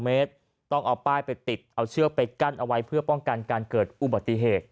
เมตรต้องเอาป้ายไปติดเอาเชือกไปกั้นเอาไว้เพื่อป้องกันการเกิดอุบัติเหตุ